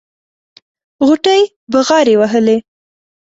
غوټۍ بغاري وهلې.